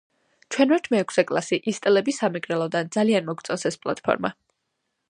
ჩვენ ვართ მეექვსე კლასი, ისტელები სამეგრელოდან, ძალიან მოგვწონს ეს პლატფორმა